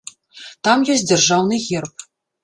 Там ёсць дзяржаўны герб.